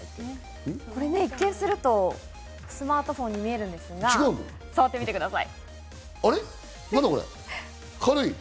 一見すると、スマートフォンに見えるんですが、触ってみてください。